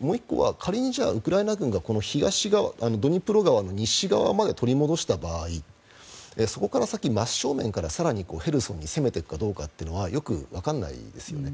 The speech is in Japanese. もう１個は仮にウクライナ軍がドニプロ川の西側まで取り戻した場合そこから先、真正面から更にヘルソンに攻めていくかどうかというのはよくわからないですよね。